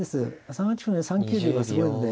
３八歩成３九竜がすごいので。